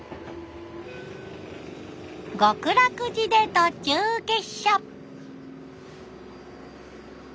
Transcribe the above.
極楽寺で途中下車。